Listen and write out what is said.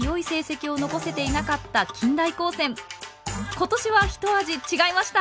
今年は一味違いました！